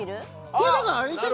これだからあれでしょ？